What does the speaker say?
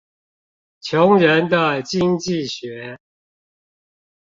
窮人的經濟學